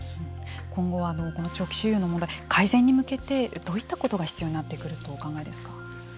今後、長期収容の問題改善に向けてどういったことが必要になってくると思われますか。